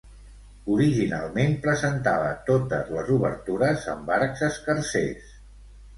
Originalment presentava totes les obertures amb arcs escarsers.